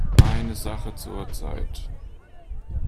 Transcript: Eine Sache zur Zeit.